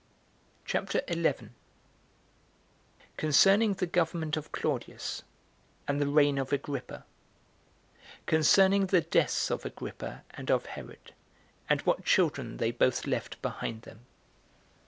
CHAPTER 11. Concerning The Government Of Claudius, And The Reign Of Agrippa. Concerning The Deaths Of Agrippa And Of Herod And What Children They Both Left Behind Them.